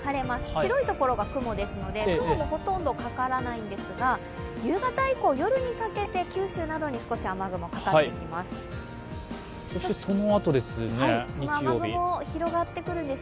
白いところが雲ですので、雲もほとんどかからないんですが、夕方以降、夜にかけて九州などに少し雨雲がかかってきます。